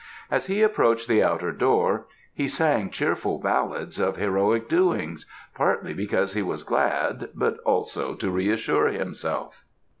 As he approached the outer door he sang cheerful ballads of heroic doings, partly because he was glad, but also to reassure himself.